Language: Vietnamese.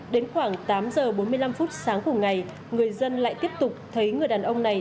đến khoảng tám h bốn mươi năm sáng của ngày người dân lại tiếp tục thấy người đàn ông này